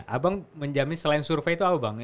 abang menjamin selain survei itu apa bang